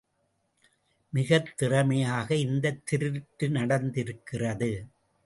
மிகத் திறமையாக இந்தத் திருட்டு நடந்திருக்கிறது.